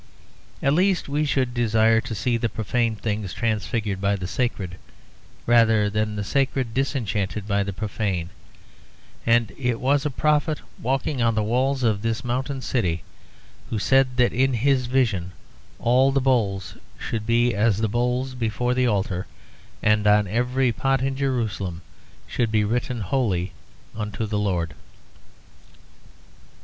At least we should desire to see the profane things transfigured by the sacred, rather than the sacred disenchanted by the profane; and it was a prophet walking on the walls of this mountain city, who said that in his vision all the bowls should be as the bowls before the altar, and on every pot in Jerusalem should be written Holy unto the Lord.